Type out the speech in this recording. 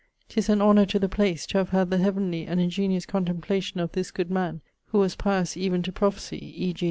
'Tis an honour to the place, to have had the heavenly and ingeniose contemplation of this good man, who was pious even to prophesie; e.